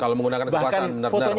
kalau menggunakan kekuasaan benar benar